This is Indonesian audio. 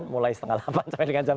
mulai setengah delapan sampai jam sepuluh